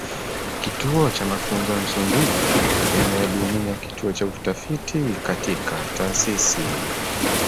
kituo cha mafunzo ya Msumbiji na elimu ya dunia kituo cha utafiti katika taasisi